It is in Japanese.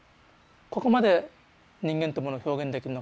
ここまで人間ってものを表現できるのかと。